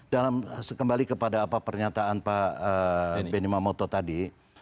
dalam kembali kepada apa pernyataan pak benny mamoto tadi